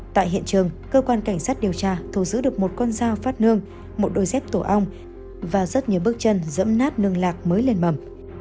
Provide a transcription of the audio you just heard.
tại hiện trường cơ quan cảnh sát điều tra thu giữ được một con dao phát nương một đôi dép tổ ong và rất nhiều bước chân dẫm nát nương lạc mới lên mầm